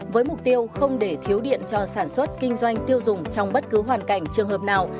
với mục tiêu không để thiếu điện cho sản xuất kinh doanh tiêu dùng trong bất cứ hoàn cảnh trường hợp nào